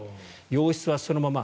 洋室はそのまま。